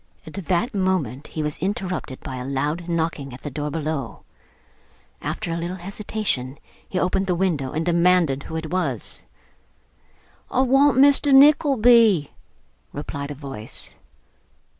At that moment, he was interrupted by a loud knocking at the door below. After a little hesitation he opened the window, and demanded who it was. 'I want Mr. Nickleby,' replied a voice.